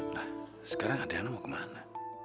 nah sekarang adiana mau kemana